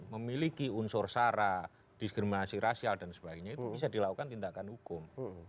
memiliki unsur sara diskriminasi rasial dan sebagainya itu bisa dilakukan tindakan hukum